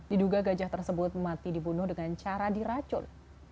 diduga gajah tersebut mati dibunuh dengan cara diracun